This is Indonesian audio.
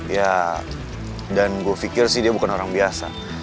ya dan gue pikir sih dia bukan orang biasa